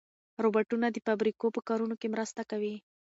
روبوټونه د فابریکو په کارونو کې مرسته کوي.